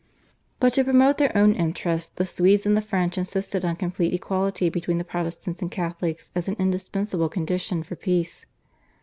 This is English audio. But to promote their own interests the Swedes and the French insisted on complete equality between the Protestants and Catholics as an indispensable condition for peace.